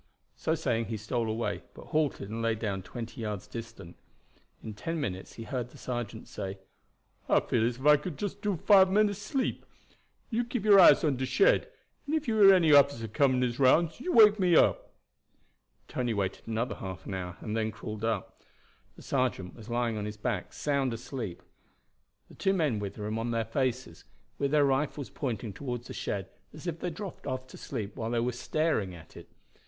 So saying he stole away, but halted and lay down twenty yards distant. In ten minutes he heard the sergeant say: "I feel as if I could do just five minutes' sleep. You keep your eyes on de shed, and ef you hear any officer coming his rounds you wake me up." Tony waited another half hour and then crawled up. The sergeant was lying on his back sound asleep; the two men with him were on their faces, with their rifles pointing toward the shed, as if they had dropped off to sleep while they were staring at it.